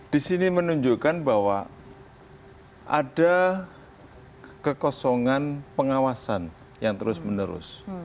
di sini menunjukkan bahwa ada kekosongan pengawasan yang terus menerus